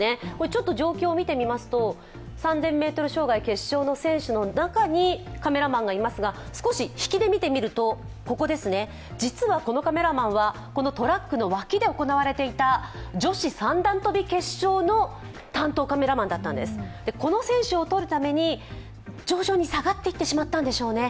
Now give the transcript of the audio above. ちょっと状況を見てみますと、３０００ｍ障害の選手の中にカメラマンがいますが、少し引きで見てみると、実はこのカメラマンはこのトラックの脇で行われていた女子三段跳び決勝の選手を撮るために徐々に下がっていってしまったんでしょうね。